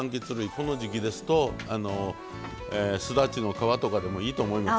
この時季ですとすだちの皮とかでもいいと思いますけどね。